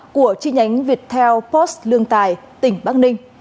của chi nhánh viettel post lương tài tỉnh bắc ninh